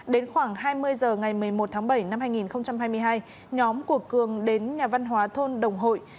đến khoảng hai mươi h ngày một mươi một tháng bảy năm hai nghìn hai mươi hai nhóm của cường đến nhà văn hóa thôn đồng hội